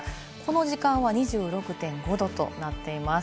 この時間は２６．５度となっています。